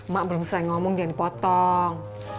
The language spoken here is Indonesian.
mak belum saya ngomong jangan dipotong